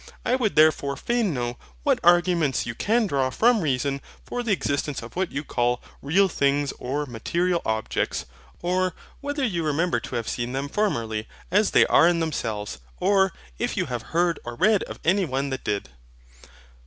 I would therefore fain know what arguments you can draw from reason for the existence of what you call REAL THINGS OR MATERIAL OBJECTS. Or, whether you remember to have seen them formerly as they are in themselves; or, if you have heard or read of any one that did.